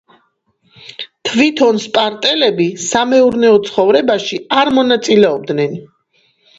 თვითონ სპარტელები სამეურნეო ცხოვრებაში არ მონაწილეობდნენ.